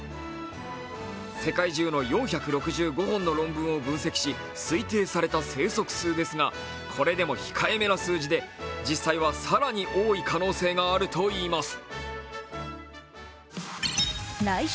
世界中の４６５本の論文を分析し、推定された生息数ですが、これでも控えめな数字で実際は更に多い可能性があるといいます。